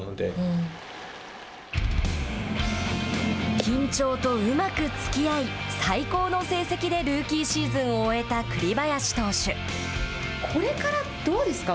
緊張とうまくつきあい最高の成績でルーキーシーズンを終えたこれからどうですか。